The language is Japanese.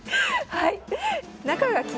はい。